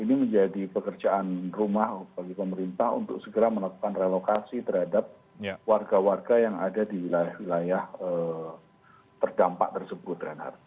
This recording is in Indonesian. ini menjadi pekerjaan rumah bagi pemerintah untuk segera melakukan relokasi terhadap warga warga yang ada di wilayah wilayah terdampak tersebut